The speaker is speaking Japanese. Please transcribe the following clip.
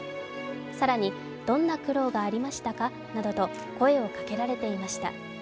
更にどんな苦労がありましたか？などと声をかけられていました。